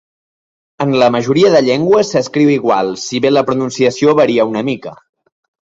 En la majoria de llengües s'escriu igual, si bé la pronunciació varia una mica.